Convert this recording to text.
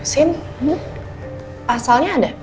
sin pasalnya ada